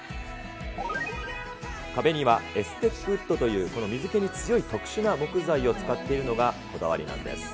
壁にはエステックウッドというこの水けに強い特殊な木材を使っているのがこだわりなんです。